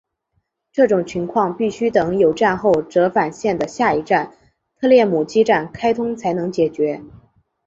这种情况必须等有站后折返线的下一站特列姆基站开通才能解决。